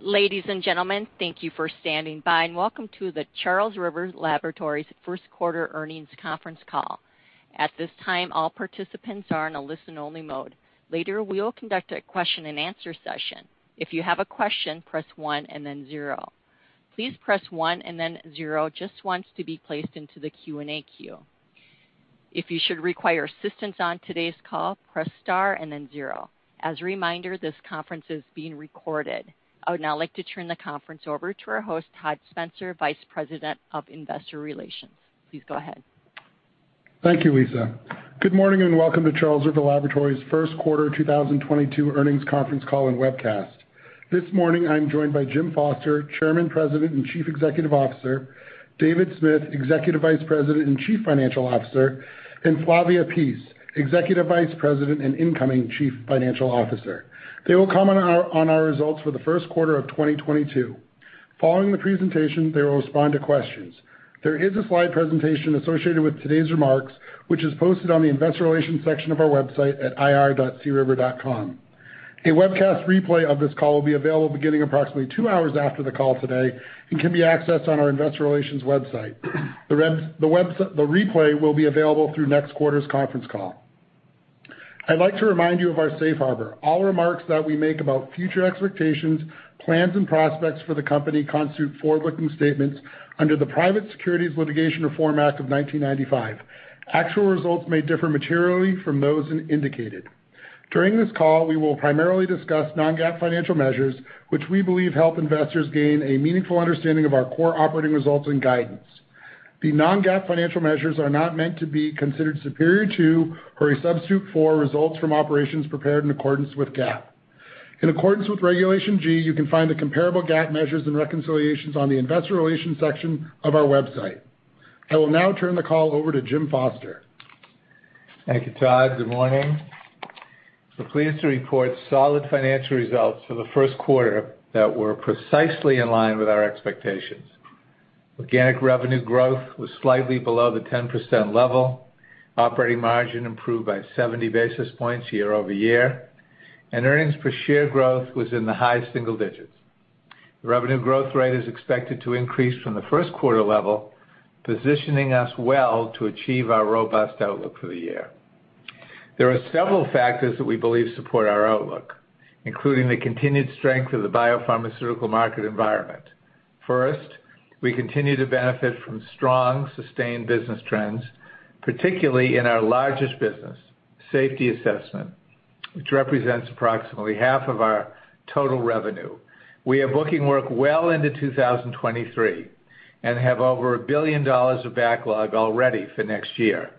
Ladies and gentlemen, thank you for standing by, and welcome to the Charles River Laboratories first quarter earnings conference call. At this time, all participants are in a listen-only mode. Later, we will conduct a question-and-answer session. If you have a question, press one and then zero. Please press one and then zero just once to be placed into the Q&A queue. If you should require assistance on today's call, press star and then zero. As a reminder, this conference is being recorded. I would now like to turn the conference over to our host, Todd Spencer, Vice President of Investor Relations. Please go ahead. Thank you, Lisa. Good morning, and welcome to Charles River Laboratories first quarter 2022 earnings conference call and webcast. This morning, I'm joined by Jim Foster, Chairman, President, and Chief Executive Officer, David Smith, Executive Vice President and Chief Financial Officer, and Flavia Pease, Executive Vice President and incoming Chief Financial Officer. They will comment on our results for the first quarter of 2022. Following the presentation, they will respond to questions. There is a slide presentation associated with today's remarks, which is posted on the investor relations section of our website at ir.criver.com. A webcast replay of this call will be available beginning approximately 2 hours after the call today and can be accessed on our investor relations website. The replay will be available through next quarter's conference call. I'd like to remind you of our safe harbor. All remarks that we make about future expectations, plans, and prospects for the company constitute forward-looking statements under the Private Securities Litigation Reform Act of 1995. Actual results may differ materially from those indicated. During this call, we will primarily discuss non-GAAP financial measures, which we believe help investors gain a meaningful understanding of our core operating results and guidance. The non-GAAP financial measures are not meant to be considered superior to or a substitute for results from operations prepared in accordance with GAAP. In accordance with Regulation G, you can find the comparable GAAP measures and reconciliations on the investor relations section of our website. I will now turn the call over to Jim Foster. Thank you, Todd. Good morning. We're pleased to report solid financial results for the first quarter that were precisely in line with our expectations. Organic revenue growth was slightly below the 10% level. Operating margin improved by 70 basis points year-over-year. Earnings per share growth was in the high single digits. Revenue growth rate is expected to increase from the first quarter level, positioning us well to achieve our robust outlook for the year. There are several factors that we believe support our outlook, including the continued strength of the biopharmaceutical market environment. First, we continue to benefit from strong, sustained business trends, particularly in our largest business, safety assessment, which represents approximately half of our total revenue. We are booking work well into 2023, and have over $1 billion of backlog already for next year.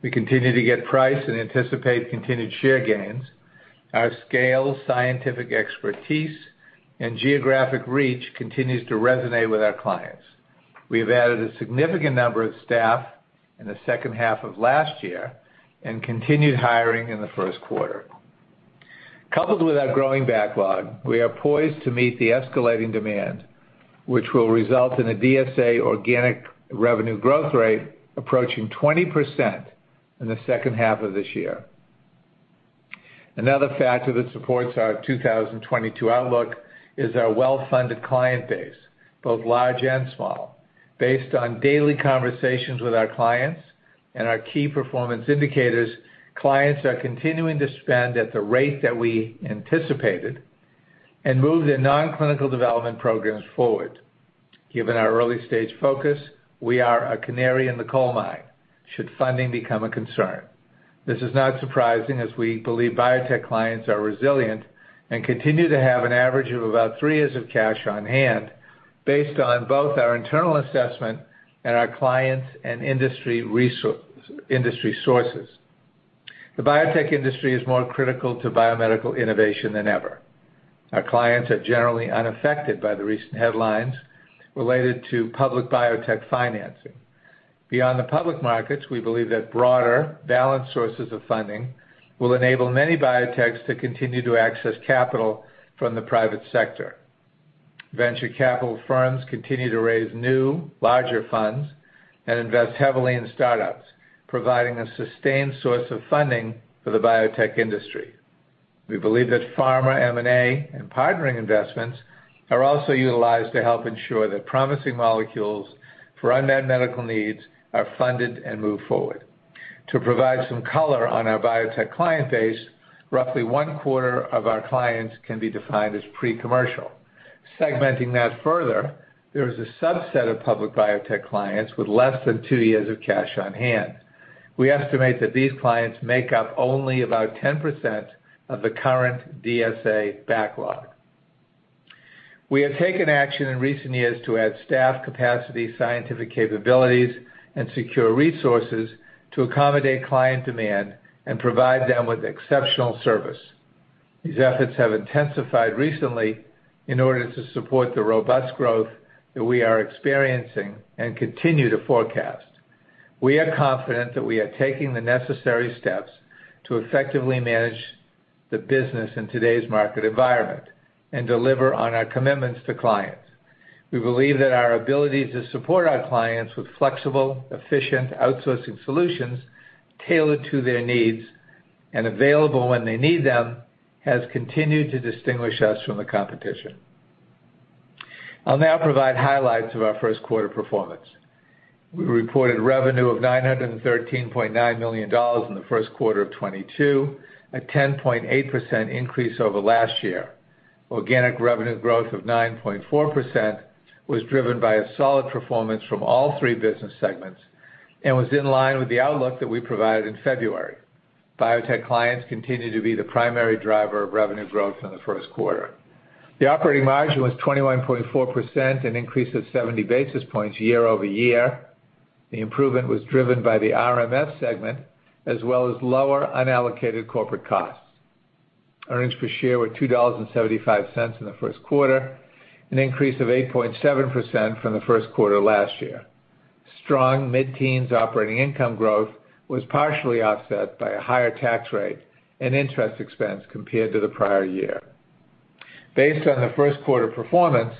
We continue to get price and anticipate continued share gains. Our scale, scientific expertise, and geographic reach continues to resonate with our clients. We have added a significant number of staff in the second half of last year and continued hiring in the first quarter. Coupled with our growing backlog, we are poised to meet the escalating demand, which will result in a DSA organic revenue growth rate approaching 20% in the second half of this year. Another factor that supports our 2022 outlook is our well-funded client base, both large and small. Based on daily conversations with our clients and our key performance indicators, clients are continuing to spend at the rate that we anticipated and move their non-clinical development programs forward. Given our early-stage focus, we are a canary in the coal mine should funding become a concern. This is not surprising as we believe biotech clients are resilient and continue to have an average of about three years of cash on hand based on both our internal assessment and our clients and industry sources. The biotech industry is more critical to biomedical innovation than ever. Our clients are generally unaffected by the recent headlines related to public biotech financing. Beyond the public markets, we believe that broader, balanced sources of funding will enable many biotechs to continue to access capital from the private sector. Venture capital firms continue to raise new, larger funds and invest heavily in startups, providing a sustained source of funding for the biotech industry. We believe that pharma M&A and partnering investments are also utilized to help ensure that promising molecules for unmet medical needs are funded and moved forward. To provide some color on our biotech client base, roughly one quarter of our clients can be defined as pre-commercial. Segmenting that further, there is a subset of public biotech clients with less than two years of cash on hand. We estimate that these clients make up only about 10% of the current DSA backlog. We have taken action in recent years to add staff capacity, scientific capabilities, and secure resources to accommodate client demand and provide them with exceptional service. These efforts have intensified recently in order to support the robust growth that we are experiencing and continue to forecast. We are confident that we are taking the necessary steps to effectively manage the business in today's market environment and deliver on our commitments to clients. We believe that our ability to support our clients with flexible, efficient outsourcing solutions tailored to their needs and available when they need them has continued to distinguish us from the competition. I'll now provide highlights of our first quarter performance. We reported revenue of $913.9 million in the first quarter of 2022, a 10.8% increase over last year. Organic revenue growth of 9.4% was driven by a solid performance from all three business segments and was in line with the outlook that we provided in February. Biotech clients continue to be the primary driver of revenue growth in the first quarter. The operating margin was 21.4%, an increase of 70 basis points year-over-year. The improvement was driven by the RMS segment as well as lower unallocated corporate costs. Earnings per share were $2.75 in the first quarter, an increase of 8.7% from the first quarter last year. Strong mid-teens operating income growth was partially offset by a higher tax rate and interest expense compared to the prior year. Based on the first quarter performance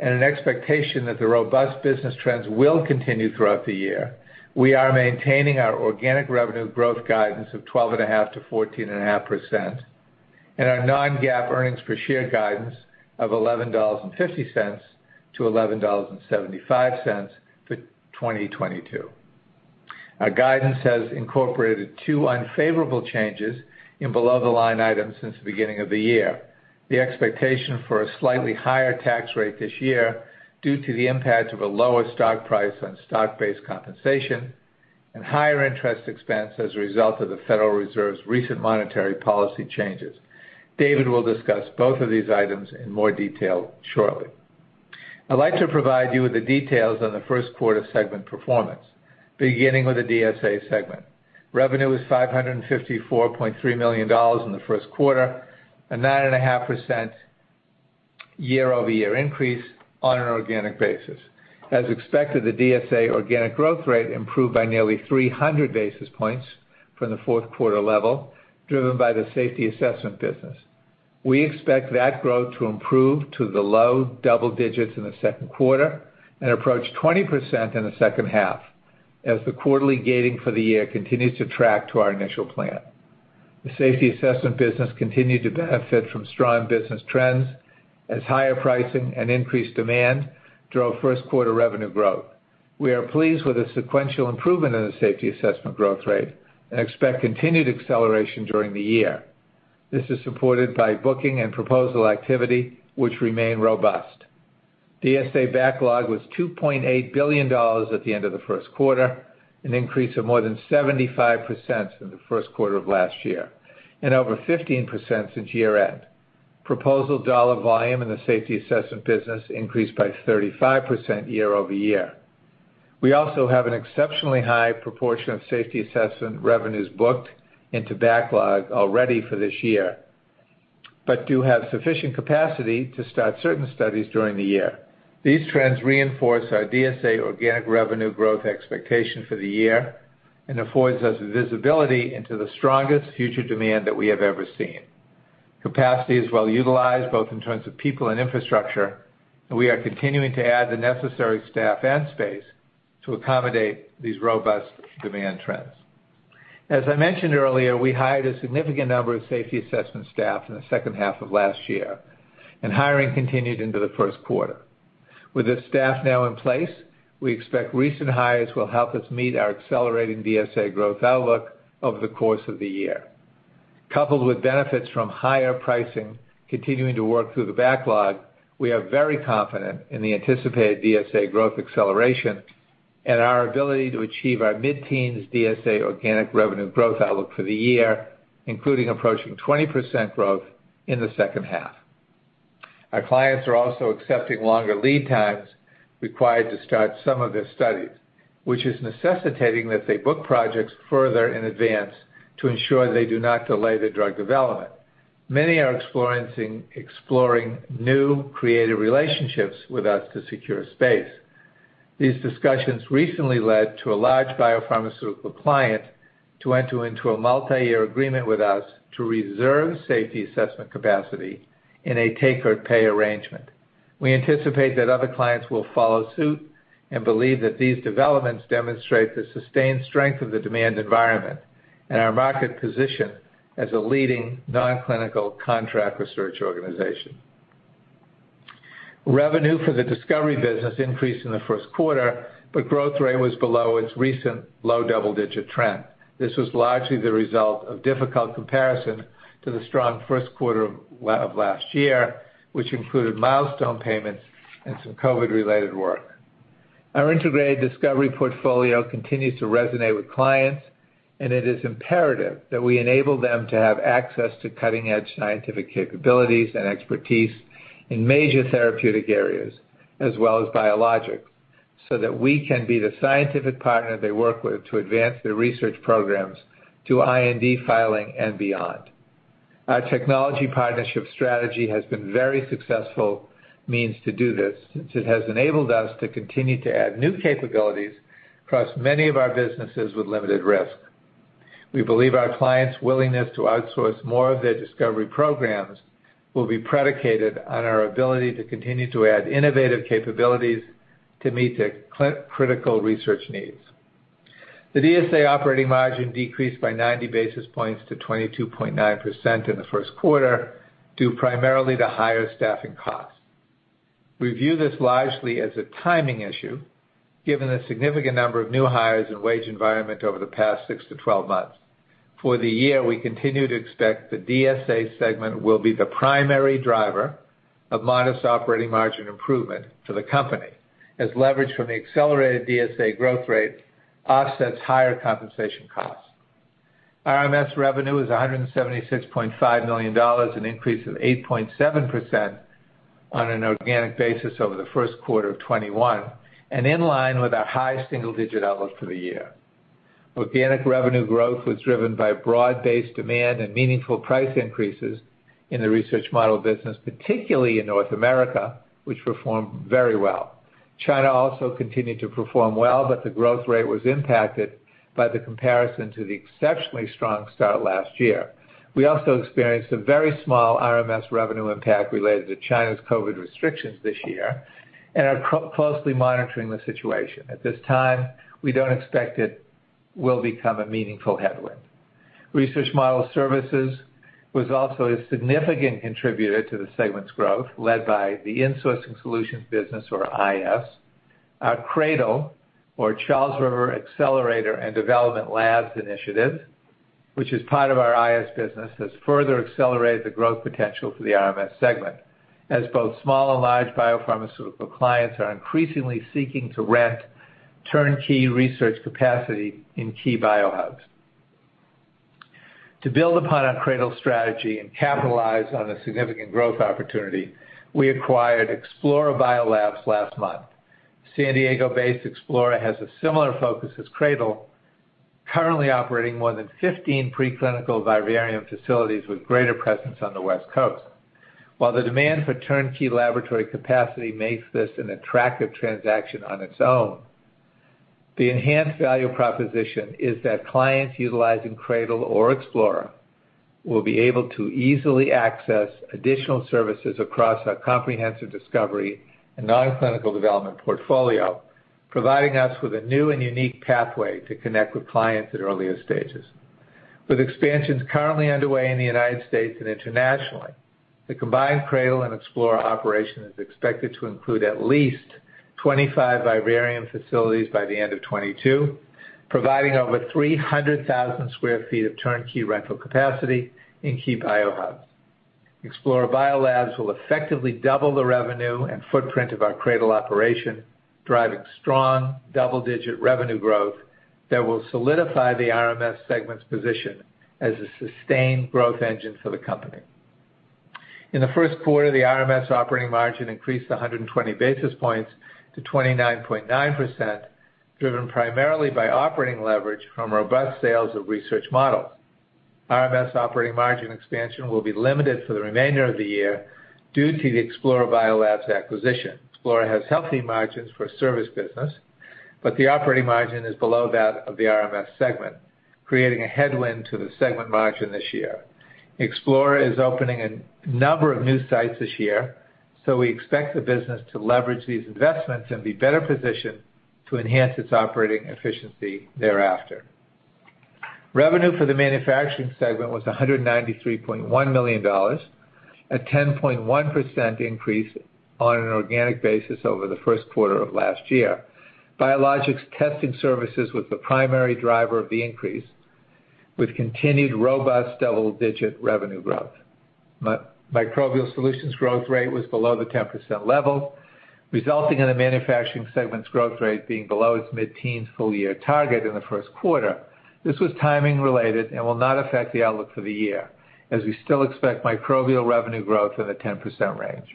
and an expectation that the robust business trends will continue throughout the year, we are maintaining our organic revenue growth guidance of 12.5%-14.5% and our non-GAAP earnings per share guidance of $11.50-$11.75 for 2022. Our guidance has incorporated two unfavorable changes in below-the-line items since the beginning of the year. The expectation for a slightly higher tax rate this year due to the impact of a lower stock price on stock-based compensation and higher interest expense as a result of the Federal Reserve's recent monetary policy changes. Dave will discuss both of these items in more detail shortly. I'd like to provide you with the details on the first quarter segment performance, beginning with the DSA segment. Revenue was $554.3 million in the first quarter, a 9.5% year-over-year increase on an organic basis. As expected, the DSA organic growth rate improved by nearly 300 basis points from the fourth quarter level, driven by the safety assessment business. We expect that growth to improve to the low double digits in the second quarter and approach 20% in the second half as the quarterly gating for the year continues to track to our initial plan. The safety assessment business continued to benefit from strong business trends as higher pricing and increased demand drove first quarter revenue growth. We are pleased with the sequential improvement in the safety assessment growth rate and expect continued acceleration during the year. This is supported by booking and proposal activity, which remain robust. DSA backlog was $2.8 billion at the end of the first quarter, an increase of more than 75% from the first quarter of last year and over 15% since year-end. Proposal dollar volume in the safety assessment business increased by 35% year-over-year. We also have an exceptionally high proportion of safety assessment revenues booked into backlog already for this year, but do have sufficient capacity to start certain studies during the year. These trends reinforce our DSA organic revenue growth expectation for the year and affords us visibility into the strongest future demand that we have ever seen. Capacity is well utilized, both in terms of people and infrastructure, and we are continuing to add the necessary staff and space to accommodate these robust demand trends. As I mentioned earlier, we hired a significant number of safety assessment staff in the second half of last year, and hiring continued into the first quarter. With this staff now in place, we expect recent hires will help us meet our accelerating DSA growth outlook over the course of the year. Coupled with benefits from higher pricing continuing to work through the backlog, we are very confident in the anticipated DSA growth acceleration and our ability to achieve our mid-teens DSA organic revenue growth outlook for the year, including approaching 20% growth in the second half. Our clients are also accepting longer lead times required to start some of their studies, which is necessitating that they book projects further in advance to ensure they do not delay their drug development. Many are exploring new creative relationships with us to secure space. These discussions recently led to a large biopharmaceutical client to enter into a multiyear agreement with us to reserve safety assessment capacity in a take-or-pay arrangement. We anticipate that other clients will follow suit and believe that these developments demonstrate the sustained strength of the demand environment and our market position as a leading nonclinical contract research organization. Revenue for the discovery business increased in the first quarter, but growth rate was below its recent low double-digit trend. This was largely the result of difficult comparison to the strong first quarter of last year, which included milestone payments and some COVID-related work. Our integrated discovery portfolio continues to resonate with clients, and it is imperative that we enable them to have access to cutting-edge scientific capabilities and expertise in major therapeutic areas as well as biologics so that we can be the scientific partner they work with to advance their research programs to IND filing and beyond. Our technology partnership strategy has been very successful means to do this since it has enabled us to continue to add new capabilities across many of our businesses with limited risk. We believe our clients' willingness to outsource more of their discovery programs will be predicated on our ability to continue to add innovative capabilities to meet their critical research needs. The DSA operating margin decreased by 90 basis points to 22.9% in the first quarter, due primarily to higher staffing costs. We view this largely as a timing issue, given the significant number of new hires and wage environment over the past 6 to 12 months. For the year, we continue to expect the DSA segment will be the primary driver of modest operating margin improvement for the company, as leverage from the accelerated DSA growth rate offsets higher compensation costs. RMS revenue is $176.5 million, an increase of 8.7% on an organic basis over the first quarter of 2021, and in line with our high single-digit outlook for the year. Organic revenue growth was driven by broad-based demand and meaningful price increases in the research model business, particularly in North America, which performed very well. China also continued to perform well, but the growth rate was impacted by the comparison to the exceptionally strong start last year. We also experienced a very small RMS revenue impact related to China's COVID restrictions this year and are closely monitoring the situation. At this time, we don't expect it will become a meaningful headwind. Research Model Services was also a significant contributor to the segment's growth, led by the Insourcing Solutions business, or IS. Our CRADL, or Charles River Accelerator and Development Labs initiative, which is part of our IS business, has further accelerated the growth potential for the RMS segment, as both small and large biopharmaceutical clients are increasingly seeking to rent turnkey research capacity in key biohub. To build upon our CRADL strategy and capitalize on a significant growth opportunity, we acquired Explora BioLabs last month. San Diego-based Explora has a similar focus as CRADL, currently operating more than 15 preclinical vivarium facilities with greater presence on the West Coast. While the demand for turnkey laboratory capacity makes this an attractive transaction on its own, the enhanced value proposition is that clients utilizing CRADL or Explora will be able to easily access additional services across our comprehensive discovery and non-clinical development portfolio, providing us with a new and unique pathway to connect with clients at earlier stages. With expansions currently underway in the United States and internationally, the combined CRADL and Explora BioLabs operation is expected to include at least 25 vivarium facilities by the end of 2022, providing over 300,000 sq ft of turnkey rental capacity in key biohubs. Explora BioLabs will effectively double the revenue and footprint of our CRADL operation, driving strong double-digit revenue growth that will solidify the RMS segment's position as a sustained growth engine for the company. In the first quarter, the RMS operating margin increased 120 basis points to 29.9%, driven primarily by operating leverage from robust sales of research models. RMS operating margin expansion will be limited for the remainder of the year due to the Explora BioLabs acquisition. Explora has healthy margins for a service business, but the operating margin is below that of the RMS segment, creating a headwind to the segment margin this year. Explora is opening a number of new sites this year, so we expect the business to leverage these investments and be better positioned to enhance its operating efficiency thereafter. Revenue for the manufacturing segment was $193.1 million, a 10.1% increase on an organic basis over the first quarter of last year. Biologics testing services was the primary driver of the increase, with continued robust double-digit revenue growth. Microbial solutions growth rate was below the 10% level, resulting in the manufacturing segment's growth rate being below its mid-teens full year target in the first quarter. This was timing related and will not affect the outlook for the year, as we still expect microbial revenue growth in the 10% range.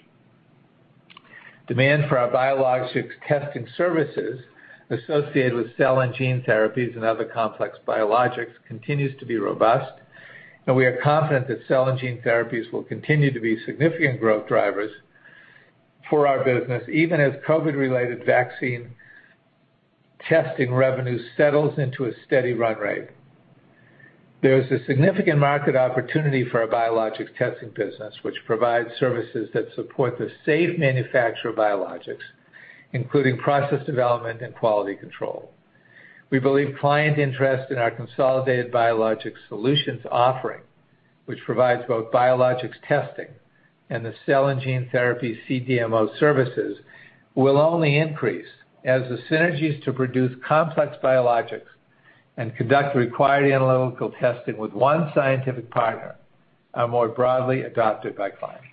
Demand for our biologics testing services associated with cell and gene therapies and other complex biologics continues to be robust, and we are confident that cell and gene therapies will continue to be significant growth drivers for our business, even as COVID-related vaccine testing revenue settles into a steady run rate. There is a significant market opportunity for our biologics testing business, which provides services that support the safe manufacture of biologics, including process development and quality control. We believe client interest in our consolidated Biologic Solutions offering, which provides both biologics testing and the cell and gene therapy CDMO services, will only increase as the synergies to produce complex biologics and conduct the required analytical testing with one scientific partner are more broadly adopted by clients.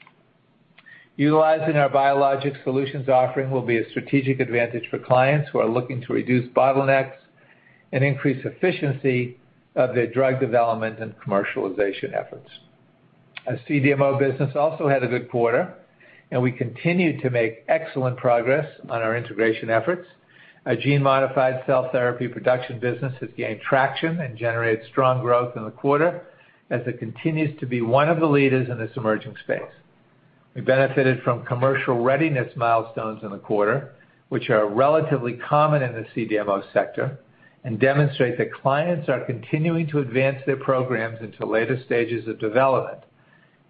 Utilizing our Biologic Solutions offering will be a strategic advantage for clients who are looking to reduce bottlenecks and increase efficiency of their drug development and commercialization efforts. Our CDMO business also had a good quarter, and we continued to make excellent progress on our integration efforts. Our gene modified cell therapy production business has gained traction and generated strong growth in the quarter, as it continues to be one of the leaders in this emerging space. We benefited from commercial readiness milestones in the quarter, which are relatively common in the CDMO sector, and demonstrate that clients are continuing to advance their programs into later stages of development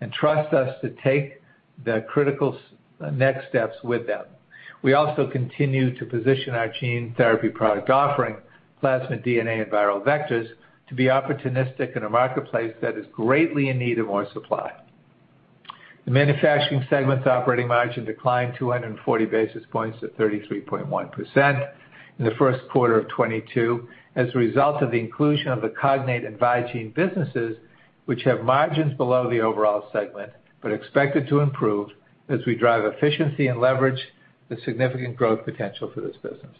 and trust us to take the critical next steps with them. We also continue to position our gene therapy product offering, plasmid DNA, and viral vectors, to be opportunistic in a marketplace that is greatly in need of more supply. The manufacturing segment's operating margin declined 240 basis points to 33.1% in the first quarter of 2022 as a result of the inclusion of the Cognate and Vigene businesses, which have margins below the overall segment, but expected to improve as we drive efficiency and leverage the significant growth potential for this business.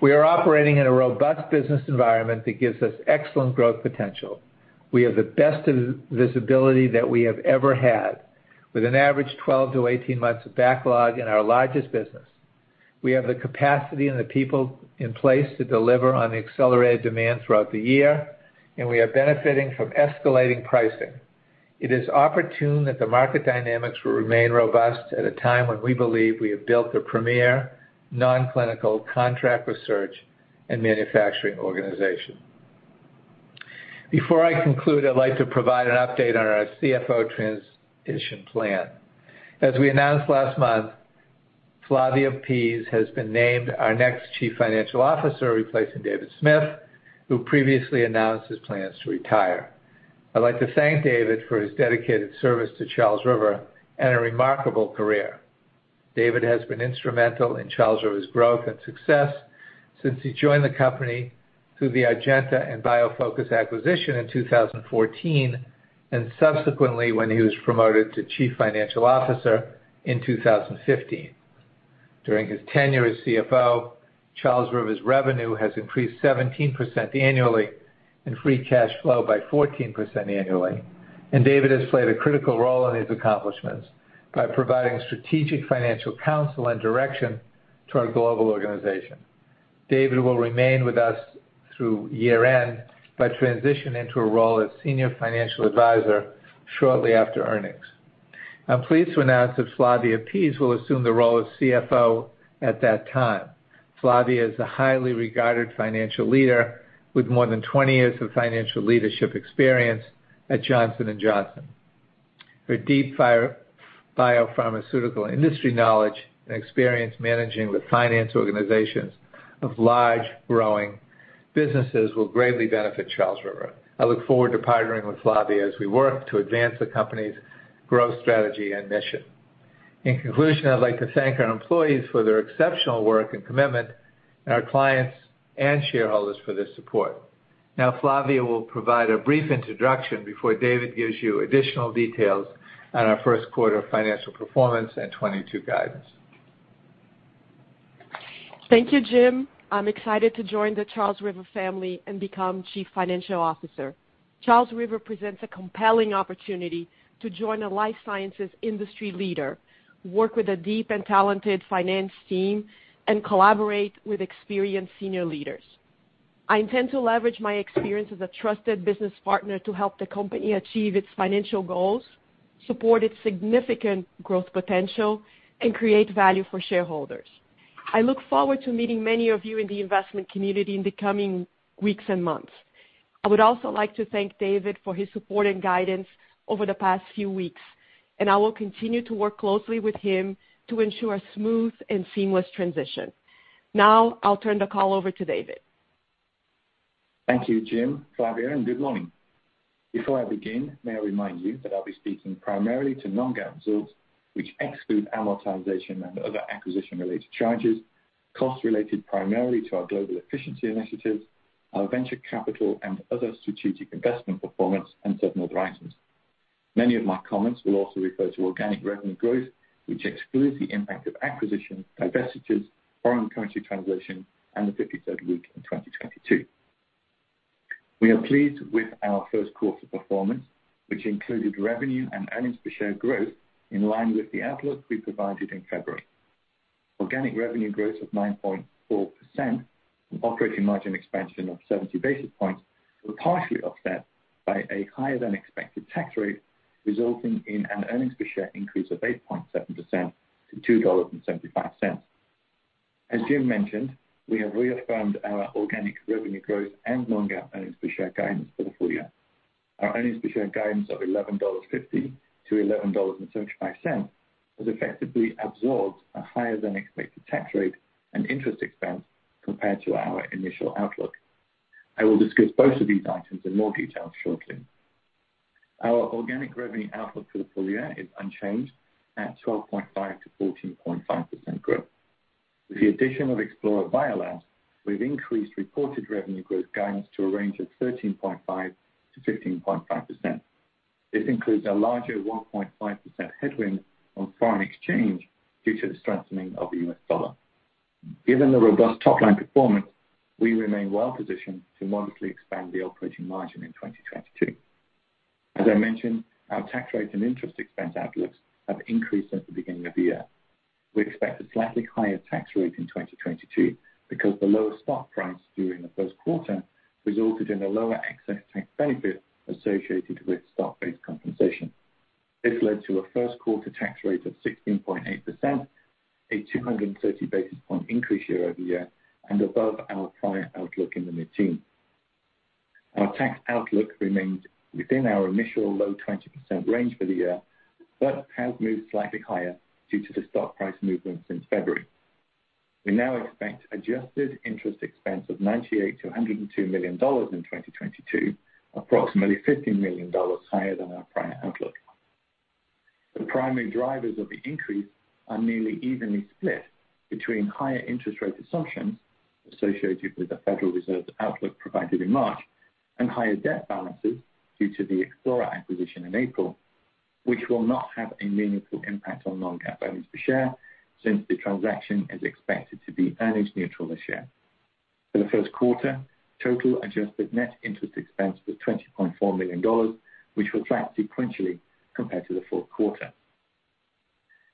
We are operating in a robust business environment that gives us excellent growth potential. We have the best of visibility that we have ever had, with an average 12-18 months of backlog in our largest business. We have the capacity and the people in place to deliver on the accelerated demand throughout the year, and we are benefiting from escalating pricing. It is opportune that the market dynamics will remain robust at a time when we believe we have built the premier non-clinical contract research and manufacturing organization. Before I conclude, I'd like to provide an update on our CFO transition plan. As we announced last month, Flavia Pease has been named our next Chief Financial Officer, replacing David Smith, who previously announced his plans to retire. I'd like to thank David for his dedicated service to Charles River and a remarkable career. David has been instrumental in Charles River's growth and success since he joined the company through the Argenta and BioFocus acquisition in 2014, and subsequently when he was promoted to Chief Financial Officer in 2015. During his tenure as CFO, Charles River's revenue has increased 17% annually and free cash flow by 14% annually, and David has played a critical role in his accomplishments by providing strategic financial counsel and direction to our global organization. David will remain with us through year-end, but transition into a role as senior financial advisor shortly after earnings. I'm pleased to announce that Flavia Pease will assume the role of CFO at that time. Flavia is a highly regarded financial leader with more than 20 years of financial leadership experience at Johnson & Johnson. Her deep biopharmaceutical industry knowledge and experience managing the finance organizations of large, growing businesses will greatly benefit Charles River. I look forward to partnering with Flavia as we work to advance the company's growth strategy and mission. In conclusion, I'd like to thank our employees for their exceptional work and commitment, and our clients and shareholders for their support. Now Flavia will provide a brief introduction before David gives you additional details on our first quarter financial performance and 2022 guidance. Thank you, Jim. I'm excited to join the Charles River family and become Chief Financial Officer. Charles River presents a compelling opportunity to join a life sciences industry leader, work with a deep and talented finance team, and collaborate with experienced senior leaders. I intend to leverage my experience as a trusted business partner to help the company achieve its financial goals, support its significant growth potential, and create value for shareholders. I look forward to meeting many of you in the investment community in the coming weeks and months. I would also like to thank David for his support and guidance over the past few weeks, and I will continue to work closely with him to ensure a smooth and seamless transition. Now I'll turn the call over to David. Thank you, Jim, Flavia, and good morning. Before I begin, may I remind you that I'll be speaking primarily to non-GAAP results, which exclude amortization and other acquisition-related charges, costs related primarily to our global efficiency initiatives, our venture capital and other strategic investment performance, and certain other items. Many of my comments will also refer to organic revenue growth, which excludes the impact of acquisitions, divestitures, foreign currency translation, and the fifty-third week in 2022. We are pleased with our first quarter performance, which included revenue and earnings per share growth in line with the outlook we provided in February. Organic revenue growth of 9.4% and operating margin expansion of 70 basis points were partially offset by a higher-than-expected tax rate, resulting in an earnings per share increase of 8.7% to $2.75. As Jim mentioned,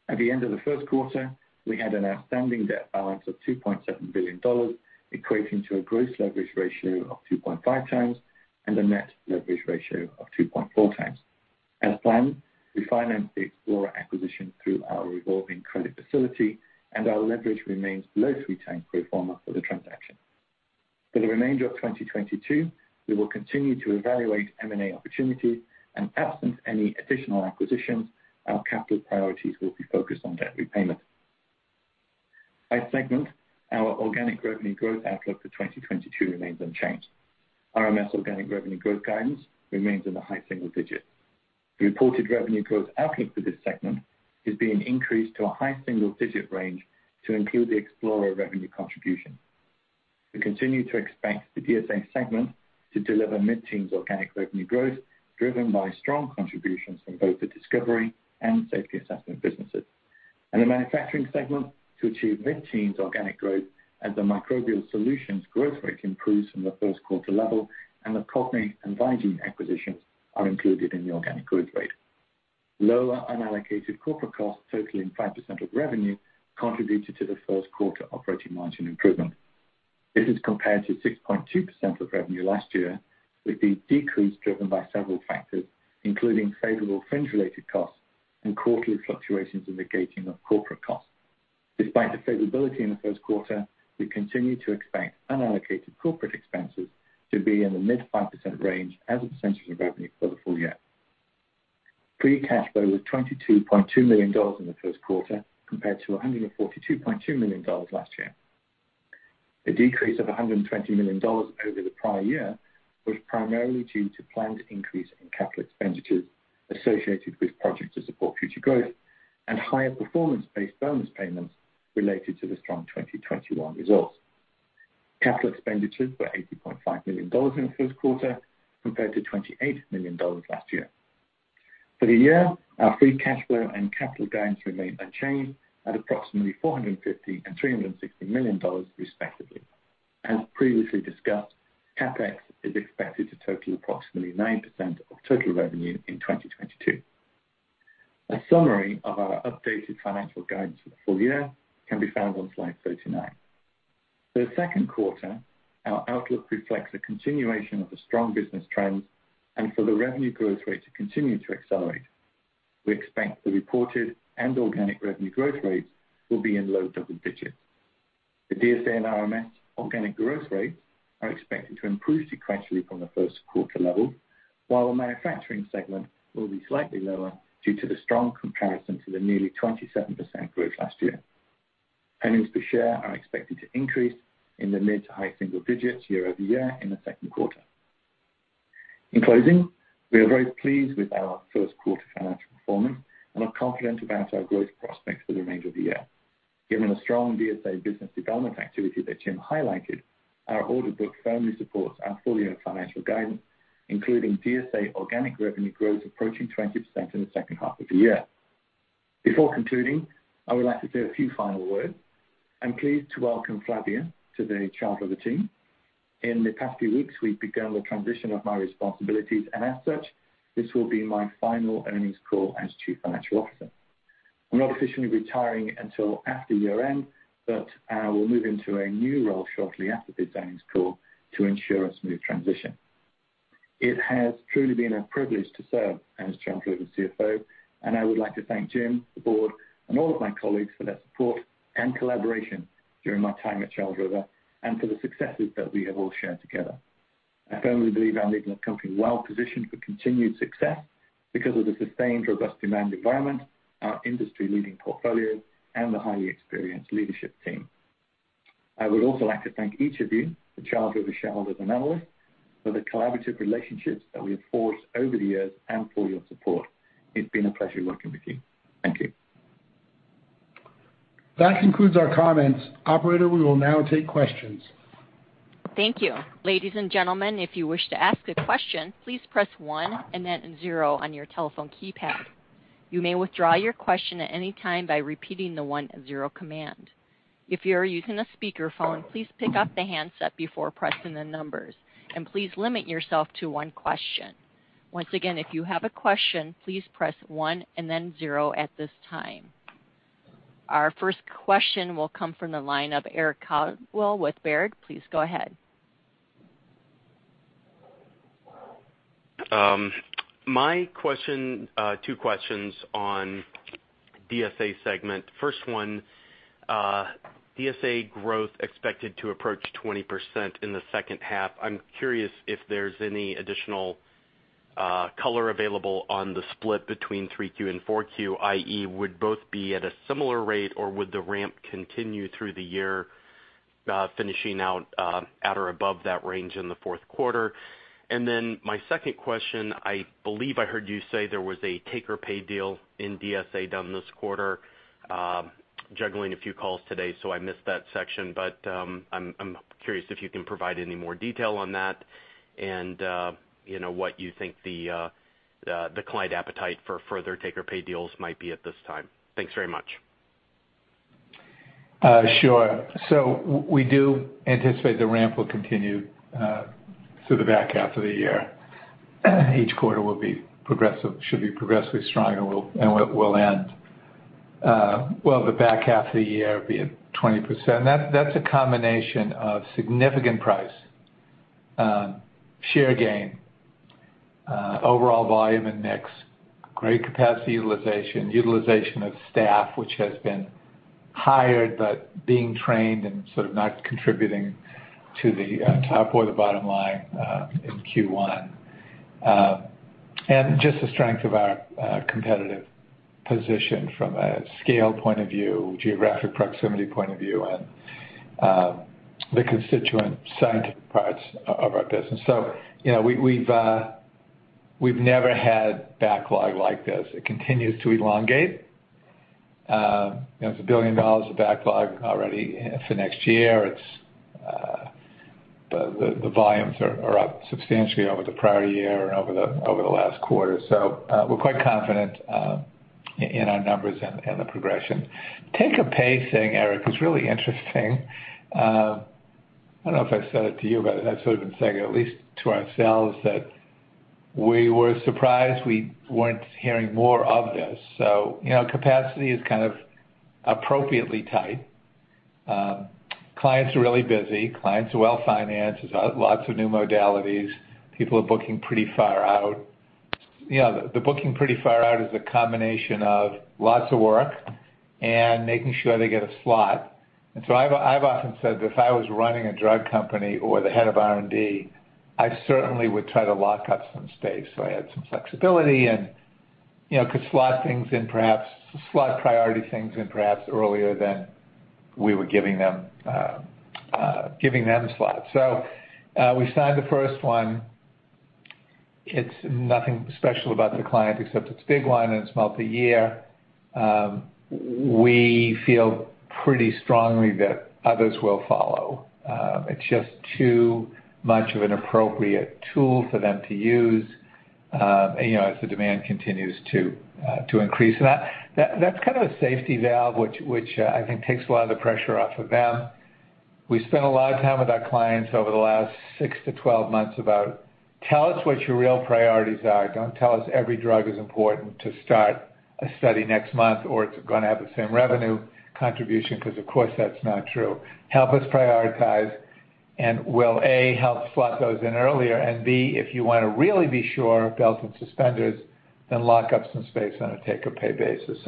At the end of the first quarter, we had an outstanding debt balance of $2.7 billion, equating to a gross leverage ratio of 2.5 times and a net leverage ratio of 2.4 times. As planned, we financed the Explora acquisition through our revolving credit facility, and our leverage remains below 3 times pro forma for the transaction. For the remainder of 2022, we will continue to evaluate M&A opportunities, and absent any additional acquisitions, our capital priorities will be focused on debt repayment. By segment, our organic revenue growth outlook for 2022 remains unchanged. RMS organic revenue growth guidance remains in the high single digits. The reported revenue growth outlook for this segment is being increased to a high single-digit range to include the Explora revenue contribution. We continue to expect the DSA segment to deliver mid-teens organic revenue growth, driven by strong contributions from both the discovery and safety assessment businesses. In the manufacturing segment to achieve mid-teens organic growth as the Microbial Solutions growth rate improves from the first quarter level and the Cognate and Vigene acquisitions are included in the organic growth rate. Lower unallocated corporate costs totaling 5% of revenue contributed to the first quarter operating margin improvement. This is compared to 6.2% of revenue last year, with the decrease driven by several factors, including favorable fringe-related costs and quarterly fluctuations in the gating of corporate costs. Despite the favorability in the first quarter, we continue to expect unallocated corporate expenses to be in the mid-5% range as a percent of revenue for the full year. Free cash flow was $22.2 million in the first quarter compared to $142.2 million last year. The decrease of $120 million over the prior year was primarily due to planned increase in capital expenditures associated with projects to support future growth and higher performance-based bonus payments related to the strong 2021 results. Capital expenditures were $80.5 million in the first quarter compared to $28 million last year. For the year, our free cash flow and capital guidance remain unchanged at approximately $450 million and $360 million, respectively. As previously discussed, CapEx is expected to total approximately 9% of total revenue in 2022. A summary of our updated financial guidance for the full year can be found on slide 39. For the second quarter, our outlook reflects a continuation of the strong business trends and for the revenue growth rate to continue to accelerate. We expect the reported and organic revenue growth rates will be in low double digits. The DSA and RMS organic growth rates are expected to improve sequentially from the first quarter level, while the manufacturing segment will be slightly lower due to the strong comparison to the nearly 27% growth last year. Earnings per share are expected to increase in the mid to high single digits year-over-year in the second quarter. In closing, we are very pleased with our first quarter financial performance and are confident about our growth prospects for the remainder of the year. Given the strong DSA business development activity that Jim highlighted, our order book firmly supports our full year financial guidance, including DSA organic revenue growth approaching 20% in the second half of the year. Before concluding, I would like to say a few final words. I'm pleased to welcome Flavia to the Charles River team. In the past few weeks, we've begun the transition of my responsibilities, and as such, this will be my final earnings call as Chief Financial Officer. I'm not officially retiring until after year-end, but I will move into a new role shortly after this earnings call to ensure a smooth transition. It has truly been a privilege to serve as Charles River's CFO, and I would like to thank Jim, the board, and all of my colleagues for their support and collaboration during my time at Charles River and for the successes that we have all shared together. I firmly believe I'm leaving the company well positioned for continued success because of the sustained robust demand environment, our industry-leading portfolio, and the highly experienced leadership team. I would also like to thank each of you, the Charles River shareholders and analysts, for the collaborative relationships that we have forged over the years and for your support. It's been a pleasure working with you. Thank you. That concludes our comments. Operator, we will now take questions. Thank you. Ladies and gentlemen, if you wish to ask a question, please press one and then zero on your telephone keypad. You may withdraw your question at any time by repeating the one zero command. If you're using a speakerphone, please pick up the handset before pressing the numbers, and please limit yourself to one question. Once again, if you have a question, please press one and then zero at this time. Our first question will come from the line of Eric Coldwell with Baird. Please go ahead. My question, two questions on DSA segment. First one, DSA growth expected to approach 20% in the second half. I'm curious if there's any additional color available on the split between 3Q and 4Q, i.e., would both be at a similar rate or would the ramp continue through the year, finishing out at or above that range in the fourth quarter? Then my second question, I believe I heard you say there was a take-or-pay deal in DSA done this quarter, juggling a few calls today, so I missed that section. I'm curious if you can provide any more detail on that and, you know, what you think the client appetite for further take-or-pay deals might be at this time. Thanks very much. Sure. We do anticipate the ramp will continue through the back half of the year. Each quarter will be progressive, should be progressively stronger, and we'll end well, the back half of the year will be at 20%. That's a combination of significant price share gain, overall volume and mix, great capacity utilization of staff, which has been hired but being trained and sort of not contributing to the top or the bottom line in Q1. Just the strength of our competitive position from a scale point of view, geographic proximity point of view, and the constituent scientific parts of our business. You know, we've never had backlog like this. It continues to elongate. You know, it's $1 billion of backlog already for next year. It's the volumes are up substantially over the prior year and over the last quarter. We're quite confident in our numbers and the progression. Take-or-pay thing, Eric, is really interesting. I don't know if I said it to you, but I've sort of been saying it at least to ourselves that we were surprised we weren't hearing more of this. You know, capacity is kind of appropriately tight. Clients are really busy. Clients are well-financed. There's lots of new modalities. People are booking pretty far out. You know, the booking pretty far out is a combination of lots of work and making sure they get a slot. I've often said if I was running a drug company or the head of R&D, I certainly would try to lock up some space so I had some flexibility and, you know, could slot things in perhaps, slot priority things in perhaps earlier than we were giving them, giving them slots. We signed the first one. It's nothing special about the client except it's a big one, and it's multi-year. We feel pretty strongly that others will follow. It's just too much of an appropriate tool for them to use, you know, as the demand continues to increase. That's kind of a safety valve which I think takes a lot of the pressure off of them. We spent a lot of time with our clients over the last 6-12 months about tell us what your real priorities are. Don't tell us every drug is important to start a study next month, or it's gonna have the same revenue contribution because of course that's not true. Help us prioritize and we'll, A, help slot those in earlier, and B, if you wanna really be sure, belts and suspenders, then lock up some space on a take-or-pay basis.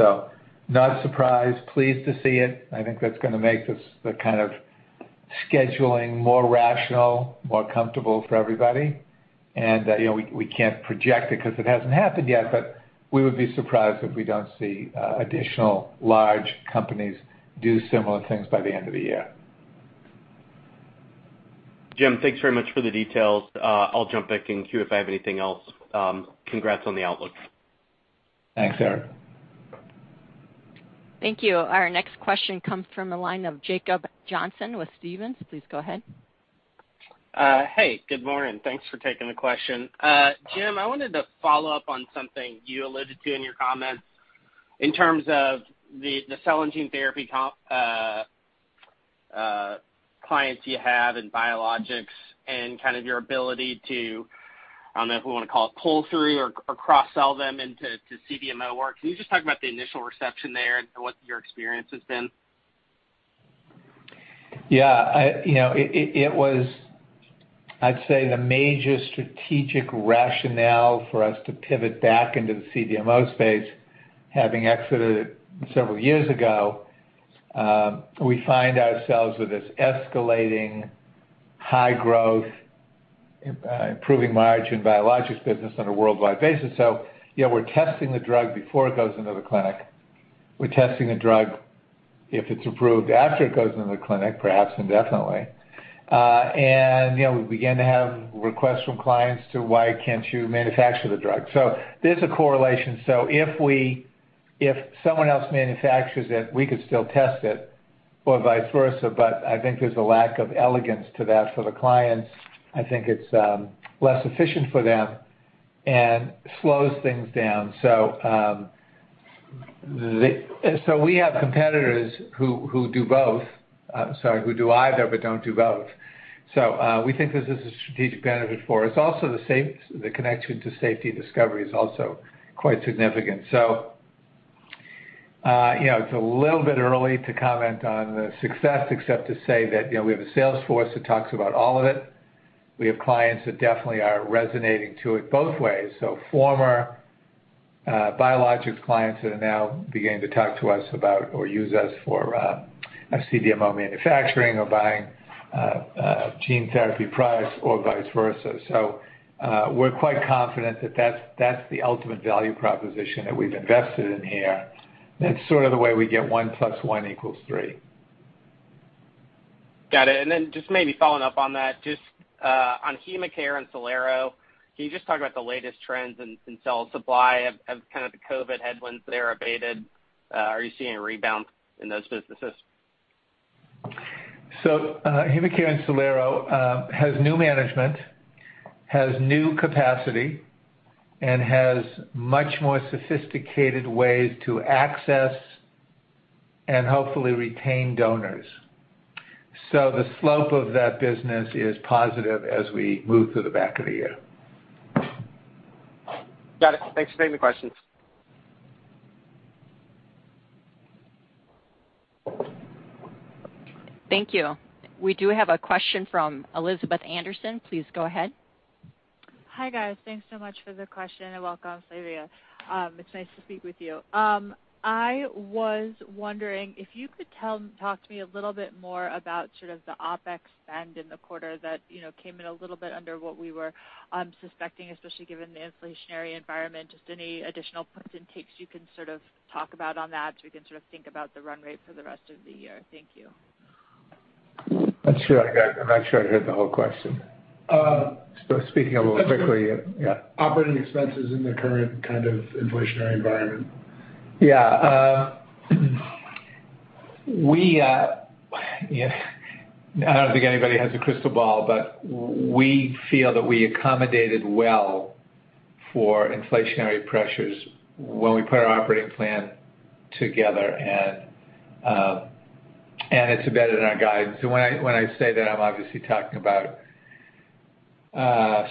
Not surprised. Pleased to see it. I think that's gonna make this, the kind of scheduling more rational, more comfortable for everybody. You know, we can't project it because it hasn't happened yet, but we would be surprised if we don't see additional large companies do similar things by the end of the year. Jim, thanks very much for the details. I'll jump back in queue if I have anything else. Congrats on the outlook. Thanks, Eric. Thank you. Our next question comes from the line of Jacob Johnson with Stephens. Please go ahead. Hey, good morning. Thanks for taking the question. Jim, I wanted to follow up on something you alluded to in your comments in terms of the cell and gene therapy clients you have in biologics and kind of your ability to, I don't know if we wanna call it pull through or cross-sell them into CDMO work. Can you just talk about the initial reception there and what your experience has been? Yeah, you know, it was, I'd say the major strategic rationale for us to pivot back into the CDMO space, having exited it several years ago, we find ourselves with this escalating high growth, improving margin biologics business on a worldwide basis. Yeah, we're testing the drug before it goes into the clinic. We're testing the drug if it's approved after it goes into the clinic, perhaps indefinitely. You know, we began to have requests from clients to why can't you manufacture the drug? There's a correlation. If someone else manufactures it, we could still test it or vice versa, but I think there's a lack of elegance to that for the clients. I think it's less efficient for them. It slows things down. We have competitors who do either, but don't do both. We think this is a strategic benefit for us. Also the connection to safety discovery is also quite significant. You know, it's a little bit early to comment on the success except to say that, you know, we have a sales force that talks about all of it. We have clients that definitely are resonating to it both ways. Former biologics clients that are now beginning to talk to us about or use us for CDMO manufacturing or buying gene therapy products or vice versa. We're quite confident that that's the ultimate value proposition that we've invested in here, and it's sort of the way we get one plus one equals three. Got it. Then just maybe following up on that, just on HemaCare and Cellero, can you just talk about the latest trends in cell supply as kind of the COVID headwinds there abated? Are you seeing a rebound in those businesses? HemaCare and Cellero has new management, has new capacity, and has much more sophisticated ways to access and hopefully retain donors. The slope of that business is positive as we move through the back of the year. Got it. Thanks for taking the questions. Thank you. We do have a question from Elizabeth Anderson. Please go ahead. Hi, guys. Thanks so much for the question and welcome, Flavia. It's nice to speak with you. I was wondering if you could talk to me a little bit more about sort of the OpEx spend in the quarter that, you know, came in a little bit under what we were suspecting, especially given the inflationary environment. Just any additional points and takes you can sort of talk about on that, so we can sort of think about the run rate for the rest of the year. Thank you. I'm not sure I heard the whole question. Speaking a little quickly. Yeah. Operating expenses in the current kind of inflationary environment. You know, I don't think anybody has a crystal ball, but we feel that we accommodated well for inflationary pressures when we put our operating plan together and it's embedded in our guidance. When I say that, I'm obviously talking about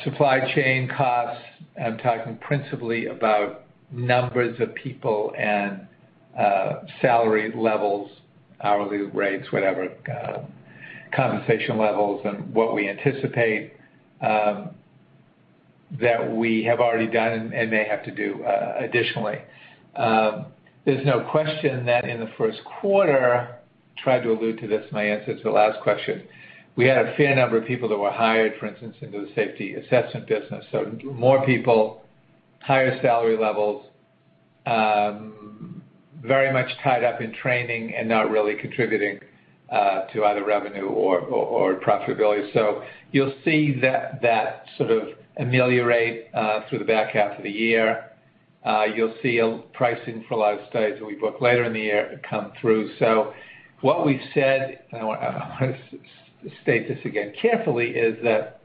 supply chain costs. I'm talking principally about numbers of people and salary levels, hourly rates, whatever, compensation levels and what we anticipate that we have already done and may have to do additionally. There's no question that in the first quarter, tried to allude to this in my answer to the last question, we had a fair number of people that were hired, for instance, into the safety assessment business. More people, higher salary levels, very much tied up in training and not really contributing to either revenue or profitability. You'll see that sort of ameliorate through the back half of the year. You'll see pricing for a lot of studies that we book later in the year come through. What we've said, and I want to state this again carefully, is that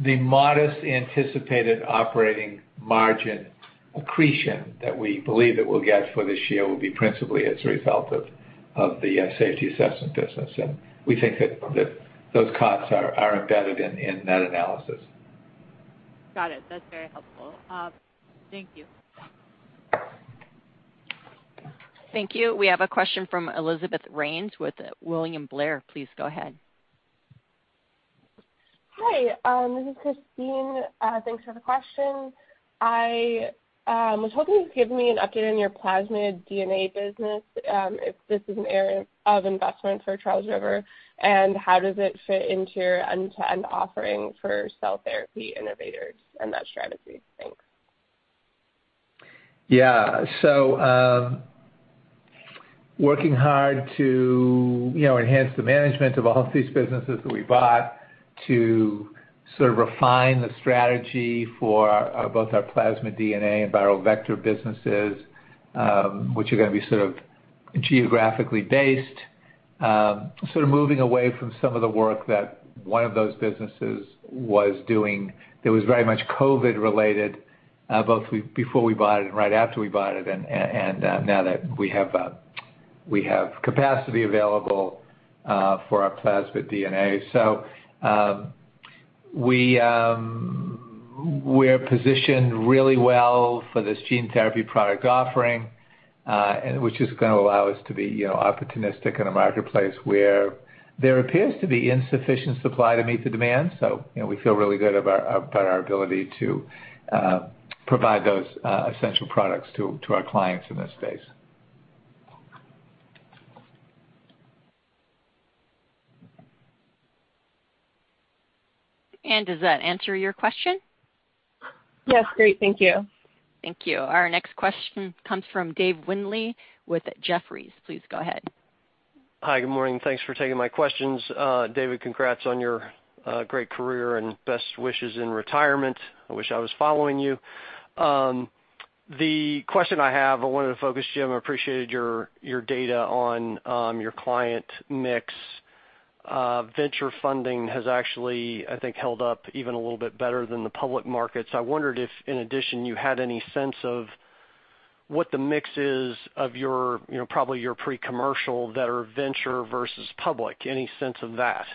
the modest anticipated operating margin accretion that we believe that we'll get for this year will be principally as a result of the safety assessment business. We think that those costs are embedded in that analysis. Got it. That's very helpful. Thank you. Thank you. We have a question from Elizabeth Rains with William Blair. Please go ahead. Hi. This is Christine. Thanks for the question. I was hoping you could give me an update on your plasmid DNA business, if this is an area of investment for Charles River, and how does it fit into your end-to-end offering for cell therapy innovators and that strategy? Thanks. Yeah. Working hard to, you know, enhance the management of all of these businesses that we bought to sort of refine the strategy for both our plasmid DNA and viral vector businesses, which are gonna be sort of geographically based. Moving away from some of the work that one of those businesses was doing that was very much COVID related, both before we bought it and right after we bought it, and now that we have capacity available for our plasmid DNA. We're positioned really well for this gene therapy product offering, and which is gonna allow us to be, you know, opportunistic in a marketplace where there appears to be insufficient supply to meet the demand. You know, we feel really good about our ability to provide those essential products to our clients in this space. Does that answer your question? Yes. Great. Thank you. Thank you. Our next question comes from Dave Windley with Jefferies. Please go ahead. Hi. Good morning. Thanks for taking my questions. David, congrats on your great career and best wishes in retirement. I wish I was following you. The question I have, I wanted to focus, Jim, I appreciated your data on your client mix. Venture funding has actually, I think, held up even a little bit better than the public markets. I wondered if in addition you had any sense of what the mix is of your, you know, probably your pre-commercial that are venture versus public. Any sense of that?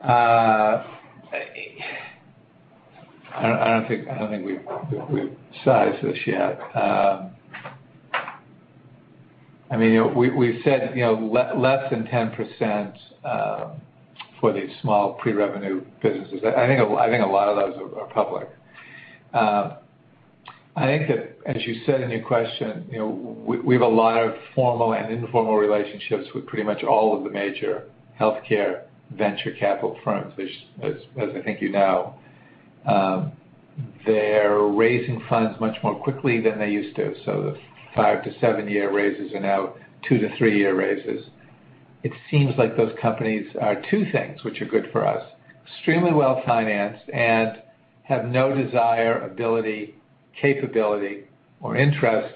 I don't think we've sized this yet. I mean, we said, you know, less than 10% for these small pre-revenue businesses. I think a lot of those are public. I think that, as you said in your question, you know, we have a lot of formal and informal relationships with pretty much all of the major healthcare venture capital firms, which as I think you know, they're raising funds much more quickly than they used to. So the 5-7 year raises are now 2-3 year raises. It seems like those companies are two things which are good for us, extremely well financed and have no desire, ability, capability, or interest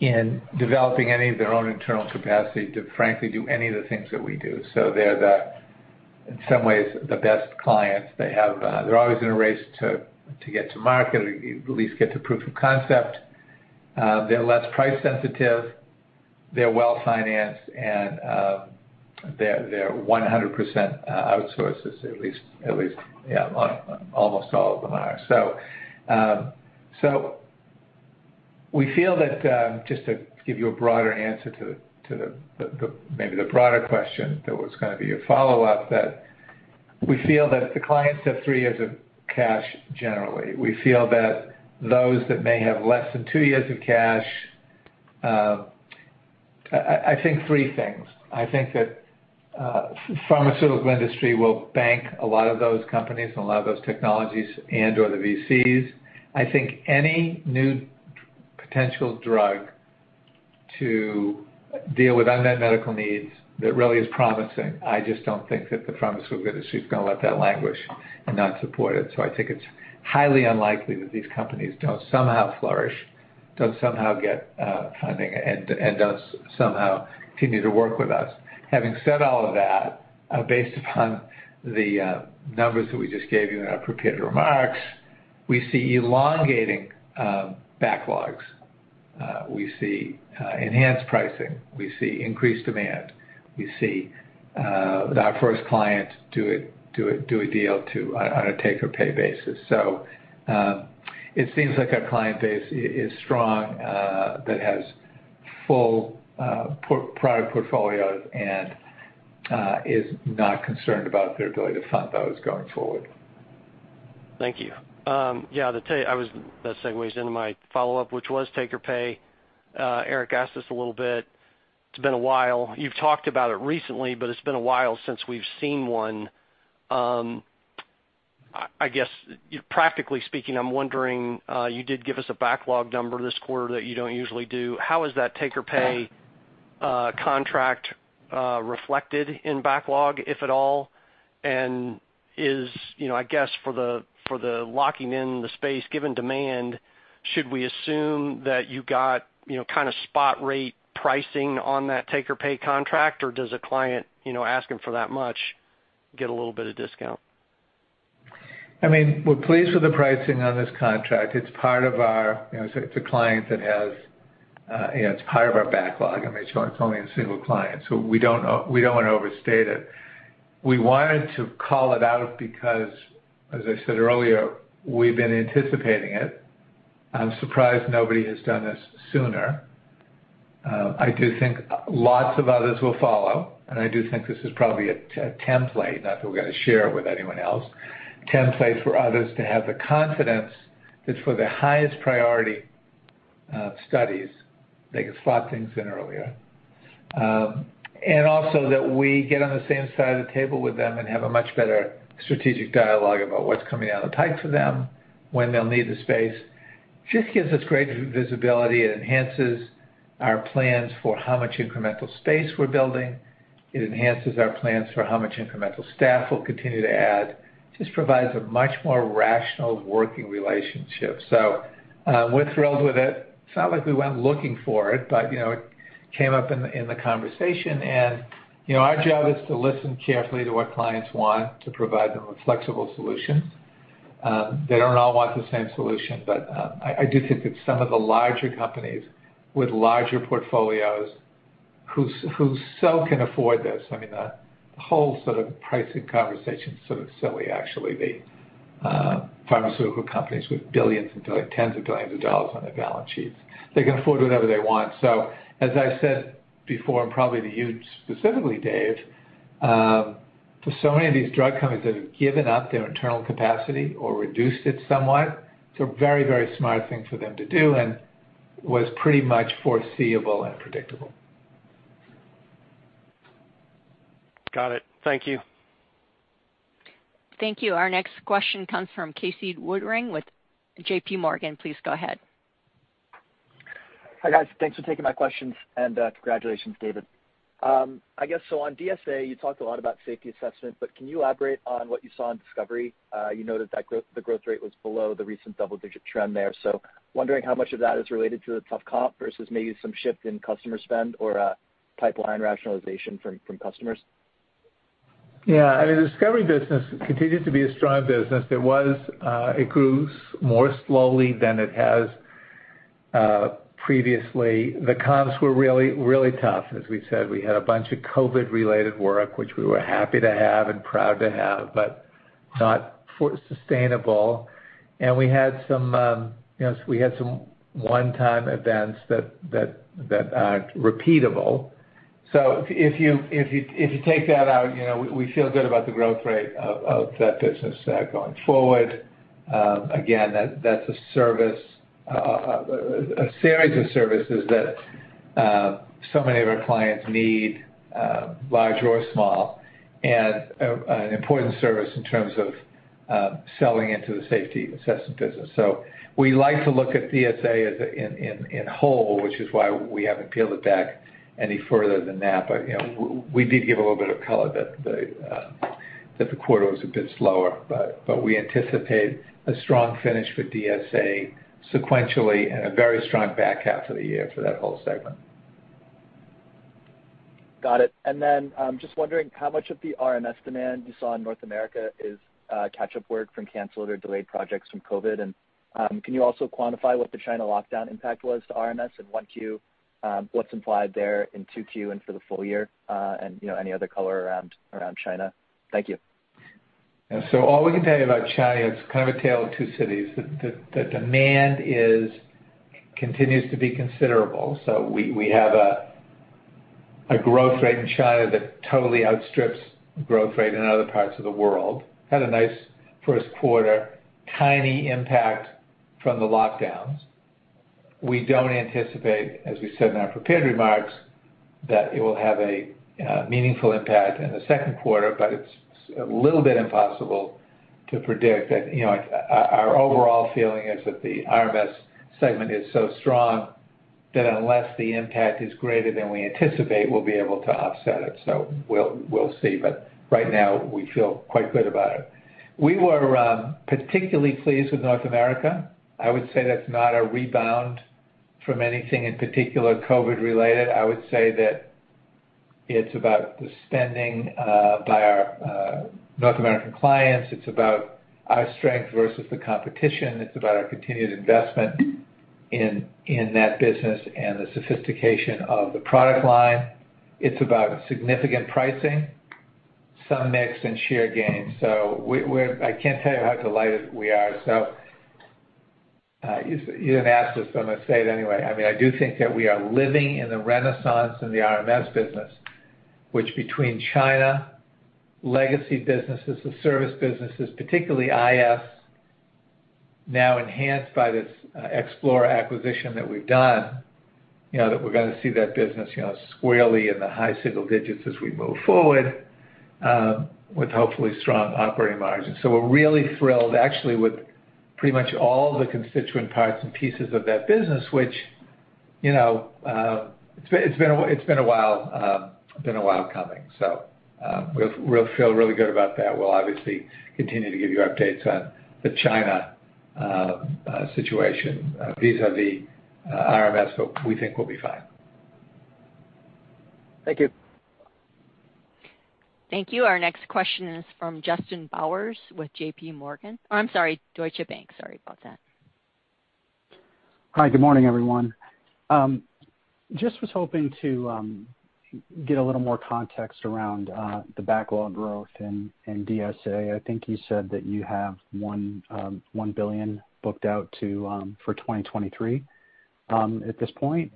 in developing any of their own internal capacity to frankly do any of the things that we do. They're the best clients in some ways. They're always in a race to get to market, or at least get to proof of concept. They're less price sensitive. They're well financed, and they're 100% outsourced, at least on almost all of them are. We feel that just to give you a broader answer to the maybe the broader question that was gonna be a follow-up, that we feel that the clients have three years of cash generally. We feel that those that may have less than two years of cash, I think three things. I think that pharmaceutical industry will bank a lot of those companies and a lot of those technologies and/or the VCs. I think any new potential drug to deal with unmet medical needs that really is promising. I just don't think that the pharmaceutical industry is gonna let that languish and not support it. I think it's highly unlikely that these companies don't somehow flourish, don't somehow get funding, and don't somehow continue to work with us. Having said all of that, based upon the numbers that we just gave you in our prepared remarks, we see elongating backlogs. We see enhanced pricing. We see increased demand. We see our first client do a deal on a take-or-pay basis. It seems like our client base is strong, but has full product portfolios and is not concerned about their ability to fund those going forward. Thank you. Yeah, to tell you, that segues into my follow-up, which was take-or-pay. Eric asked this a little bit. It's been a while. You've talked about it recently, but it's been a while since we've seen one. I guess, practically speaking, I'm wondering, you did give us a backlog number this quarter that you don't usually do. How is that take-or-pay contract reflected in backlog, if at all? And, you know, I guess, for the locking in the space, given demand, should we assume that you got, you know, kinda spot rate pricing on that take-or-pay contract, or does a client, you know, asking for that much get a little bit of discount? I mean, we're pleased with the pricing on this contract. It's part of our, it's a client that has, it's part of our backlog. I mean, it's only a single client, so we don't wanna overstate it. We wanted to call it out because, as I said earlier, we've been anticipating it. I'm surprised nobody has done this sooner. I do think lots of others will follow, and I do think this is probably a template, not that we're gonna share it with anyone else, template for others to have the confidence that for the highest priority studies, they can slot things in earlier. Also that we get on the same side of the table with them and have a much better strategic dialogue about what's coming out of the pipe for them, when they'll need the space. Just gives us greater visibility. It enhances our plans for how much incremental space we're building. It enhances our plans for how much incremental staff we'll continue to add. Just provides a much more rational working relationship. We're thrilled with it. It's not like we went looking for it, but, you know, it came up in the conversation. You know, our job is to listen carefully to what clients want to provide them with flexible solutions. They don't all want the same solution, but I do think that some of the larger companies with larger portfolios who so can afford this. I mean, the whole sort of pricing conversation is sort of silly actually. The pharmaceutical companies with billions and billions, tens of billions of dollars on their balance sheets, they can afford whatever they want. As I said before, and probably to you specifically, Dave, for so many of these drug companies that have given up their internal capacity or reduced it somewhat, it's a very, very smart thing for them to do and was pretty much foreseeable and predictable. Got it. Thank you. Thank you. Our next question comes from Casey Woodring with J.P. Morgan. Please go ahead. Hi, guys. Thanks for taking my questions. Congratulations, David. I guess so on DSA, you talked a lot about safety assessment, but can you elaborate on what you saw in discovery? You noted that the growth rate was below the recent double-digit trend there. Wondering how much of that is related to the tough comp versus maybe some shift in customer spend or a pipeline rationalization from customers? Yeah, I mean, the discovery business continued to be a strong business. It was, it grew more slowly than it has, previously. The comps were really tough, as we said. We had a bunch of COVID-related work, which we were happy to have and proud to have, but not sustainable. We had some, you know, one-time events that aren't repeatable. If you take that out, you know, we feel good about the growth rate of that business going forward. Again, that's a service, a series of services that so many of our clients need, large or small, and an important service in terms of selling into the safety assessment business. We like to look at DSA as a. In whole, which is why we haven't peeled it back any further than that. You know, we did give a little bit of color that the quarter was a bit slower. We anticipate a strong finish for DSA sequentially and a very strong back half of the year for that whole segment. Got it. I'm just wondering how much of the RMS demand you saw in North America is catch-up work from canceled or delayed projects from COVID? Can you also quantify what the China lockdown impact was to RMS in 1Q, what's implied there in 2Q and for the full year, and you know, any other color around China? Thank you. All we can tell you about China, it's kind of a tale of two cities. The demand continues to be considerable. We have a growth rate in China that totally outstrips the growth rate in other parts of the world. Had a nice first quarter, tiny impact from the lockdowns. We don't anticipate, as we said in our prepared remarks, that it will have a meaningful impact in the second quarter, but it's a little bit impossible to predict that. You know, our overall feeling is that the RMS segment is so strong that unless the impact is greater than we anticipate, we'll be able to offset it. We'll see. But right now we feel quite good about it. We were particularly pleased with North America. I would say that's not a rebound from anything in particular COVID-related. I would say that it's about the spending by our North American clients. It's about our strength versus the competition. It's about our continued investment in that business and the sophistication of the product line. It's about significant pricing, some mix and share gains. I can't tell you how delighted we are. You didn't ask this, so I'm gonna say it anyway. I mean, I do think that we are living in the renaissance in the RMS business, which between China, legacy businesses, the service businesses, particularly IS, now enhanced by this Explora acquisition that we've done, you know, that we're gonna see that business, you know, squarely in the high single digits as we move forward with hopefully strong operating margins. We're really thrilled actually with pretty much all the constituent parts and pieces of that business, which, you know, it's been a while coming. We'll feel really good about that. We'll obviously continue to give you updates on the China situation vis-à-vis RMS, but we think we'll be fine. Thank you. Thank you. Our next question is from Justin Bowers with JP Morgan. Oh, I'm sorry, Deutsche Bank. Sorry about that. Hi. Good morning, everyone. Just was hoping to get a little more context around the backlog growth in DSA. I think you said that you have $1 billion booked out to for 2023 at this point.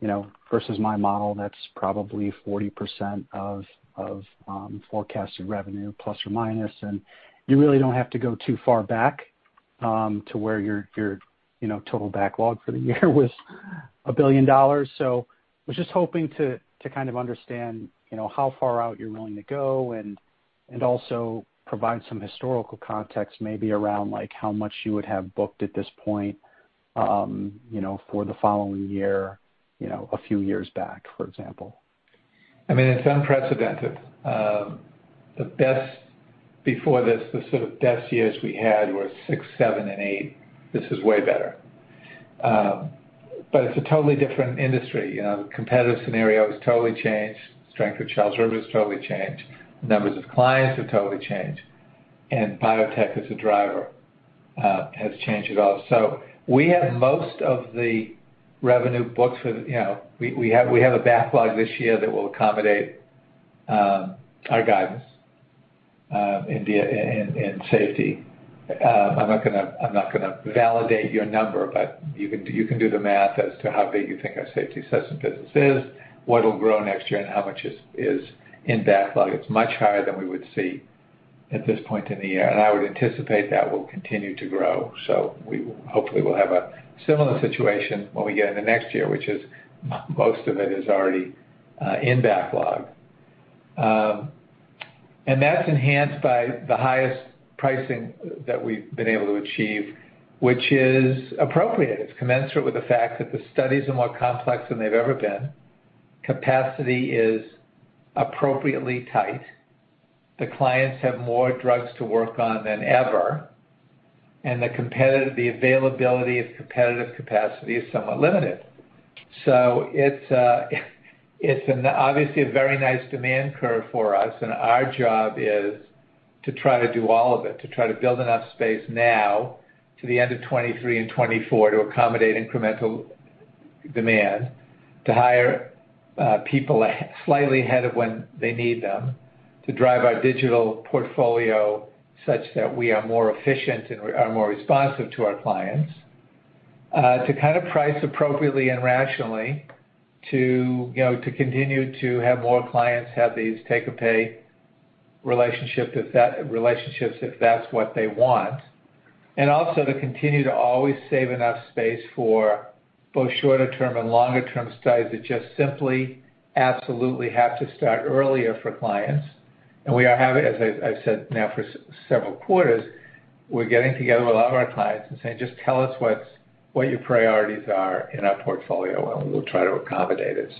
You know, versus my model, that's probably 40% of forecasted revenue, plus or minus. You really don't have to go too far back to where your total backlog for the year was $1 billion. I was just hoping to kind of understand you know how far out you're willing to go and also provide some historical context maybe around like how much you would have booked at this point you know for the following year you know a few years back for example. I mean, it's unprecedented. The best before this, the sort of best years we had were six, seven, and eight. This is way better. It's a totally different industry. You know, the competitive scenario has totally changed. Strength of Charles River has totally changed. Numbers of clients have totally changed. Biotech as a driver has changed it all. We have most of the revenue booked for the, you know, we have a backlog this year that will accommodate our guidance in safety. I'm not gonna validate your number, but you can do the math as to how big you think our safety assessment business is, what it'll grow next year, and how much is in backlog. It's much higher than we would see at this point in the year, and I would anticipate that will continue to grow. We hopefully will have a similar situation when we get in the next year, which is most of it is already in backlog. And that's enhanced by the highest pricing that we've been able to achieve, which is appropriate. It's commensurate with the fact that the studies are more complex than they've ever been. Capacity is appropriately tight. The clients have more drugs to work on than ever. The availability of competitive capacity is somewhat limited. It's obviously a very nice demand curve for us, and our job is to try to do all of it, to try to build enough space now to the end of 2023 and 2024 to accommodate incremental demand, to hire people slightly ahead of when they need them, to drive our digital portfolio such that we are more efficient and are more responsive to our clients, to kind of price appropriately and rationally to, you know, to continue to have more clients have these take-or-pay relationships if that's what they want. Also to continue to always save enough space for both shorter term and longer term studies that just simply absolutely have to start earlier for clients. We are having, as I've said now for several quarters, we're getting together with a lot of our clients and saying, "Just tell us what your priorities are in our portfolio, and we'll try to accommodate it."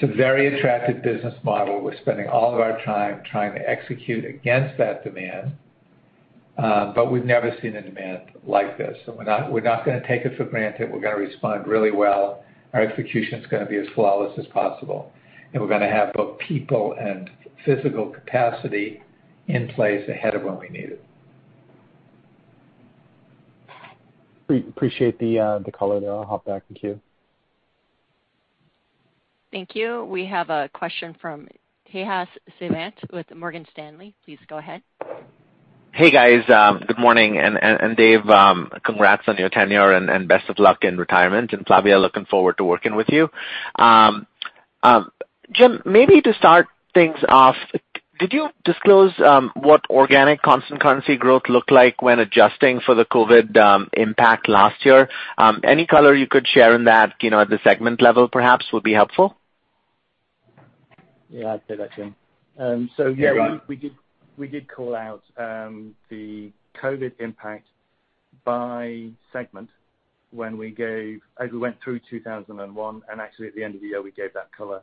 It's a very attractive business model. We're spending all of our time trying to execute against that demand, but we've never seen a demand like this. We're not gonna take it for granted. We're gonna respond really well. Our execution is gonna be as flawless as possible. We're gonna have both people and physical capacity in place ahead of when we need it. Appreciate the color there. I'll hop back in queue. Thank you. We have a question from Tejas Savant with Morgan Stanley. Please go ahead. Hey, guys, good morning. Dave, congrats on your tenure and best of luck in retirement. Flavia, looking forward to working with you. Jim, maybe to start things off, did you disclose what organic constant currency growth looked like when adjusting for the COVID impact last year? Any color you could share in that, you know, at the segment level, perhaps, would be helpful. Yeah, I'll take that, Jim. So yeah, we did call out the COVID impact by segment when we gave, as we went through 2021, and actually at the end of the year, we gave that color.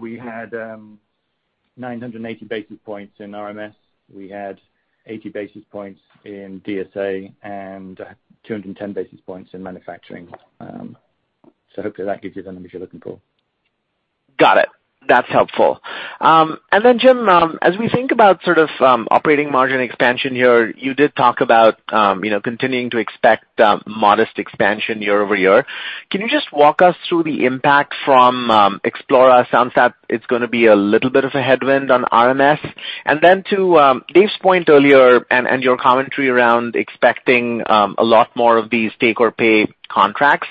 We had 980 basis points in RMS. We had 80 basis points in DSA and 210 basis points in manufacturing. Hopefully that gives you the numbers you're looking for. Got it. That's helpful. Jim, as we think about sort of operating margin expansion here, you did talk about, you know, continuing to expect modest expansion year-over-year. Can you just walk us through the impact from Explora, sounds that it's gonna be a little bit of a headwind on RMS. To Dave's point earlier and your commentary around expecting a lot more of these take-or-pay contracts,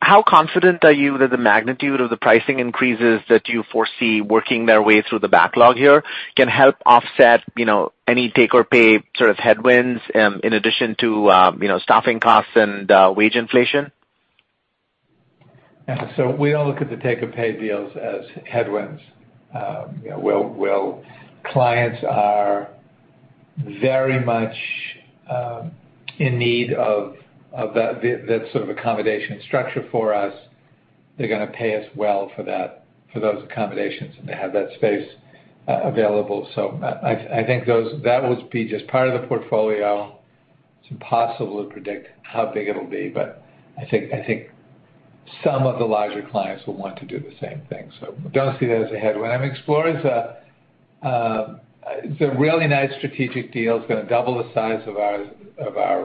how confident are you that the magnitude of the pricing increases that you foresee working their way through the backlog here can help offset, you know, any take-or-pay sort of headwinds in addition to, you know, staffing costs and wage inflation? Yeah. We all look at the take-or-pay deals as headwinds. You know, clients are very much in need of that sort of accommodation structure for us. They're gonna pay us well for that, for those accommodations, and they have that space available. I think that would be just part of the portfolio. It's impossible to predict how big it'll be, but I think some of the larger clients will want to do the same thing, so don't see that as a headwind. Explora's. It's a really nice strategic deal. It's gonna double the size of our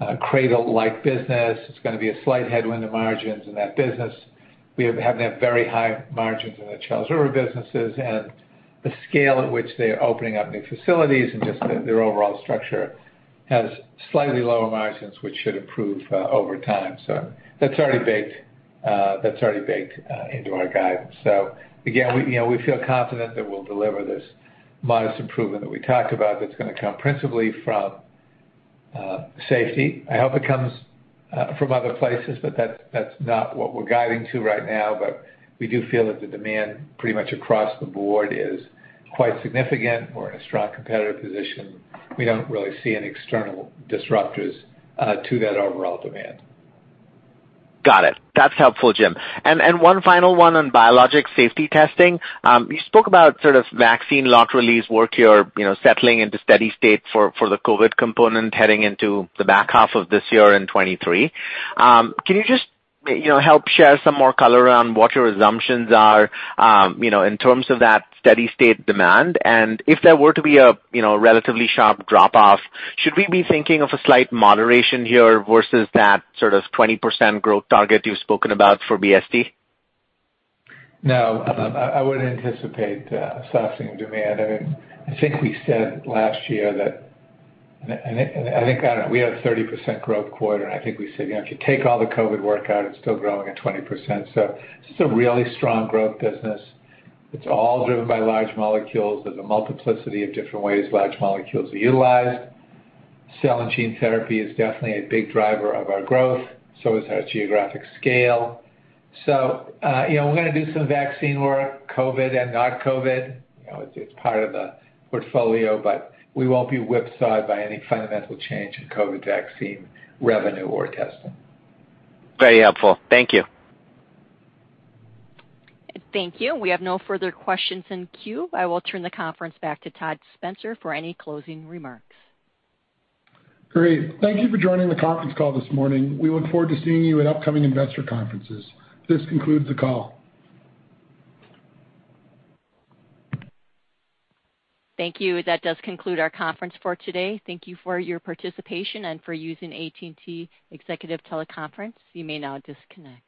CRADL-like business. It's gonna be a slight headwind in margins in that business. We have very high margins in the Charles River businesses and the scale at which they are opening up new facilities and just their overall structure has slightly lower margins, which should improve over time. That's already baked into our guidance. Again, we, you know, we feel confident that we'll deliver this modest improvement that we talked about that's gonna come principally from safety. I hope it comes from other places, but that's not what we're guiding to right now. We do feel that the demand pretty much across the board is quite significant. We're in a strong competitive position. We don't really see any external disruptors to that overall demand. Got it. That's helpful, Jim. One final one on biologic safety testing. You spoke about sort of vaccine lot release work here, you know, settling into steady state for the COVID component heading into the back half of this year in 2023. Can you just, you know, help share some more color around what your assumptions are, you know, in terms of that steady state demand? If there were to be a, you know, relatively sharp drop off, should we be thinking of a slight moderation here versus that sort of 20% growth target you've spoken about for BST? No, I wouldn't anticipate a softening demand. I mean, I think we said last year that I think, I don't know, we had a 30% growth quarter, and I think we said, "You know, if you take all the COVID work out, it's still growing at 20%." This is a really strong growth business. It's all driven by large molecules. There's a multiplicity of different ways large molecules are utilized. Cell and gene therapy is definitely a big driver of our growth, so is our geographic scale. You know, we're gonna do some vaccine work, COVID and not COVID. You know, it's part of the portfolio, but we won't be whipsawed by any fundamental change in COVID vaccine revenue or testing. Very helpful. Thank you. Thank you. We have no further questions in queue. I will turn the conference back to Todd Spencer for any closing remarks. Great. Thank you for joining the conference call this morning. We look forward to seeing you at upcoming investor conferences. This concludes the call. Thank you. That does conclude our conference for today. Thank you for your participation and for using AT&T Executive Teleconference. You may now disconnect.